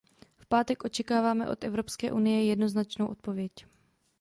V pátek očekáváme od Evropské unie jednoznačnou odpověď.